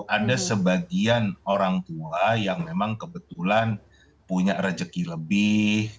ada sebagian orang tua yang memang kebetulan punya rezeki lebih